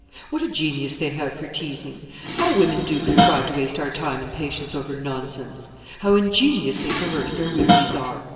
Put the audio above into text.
What a genius they have for teasing! How women do contrive to waste our time and patience over nonsense! How ingeniously perverse their whimsies are!